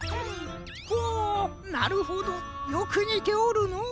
ほなるほどよくにておるのう。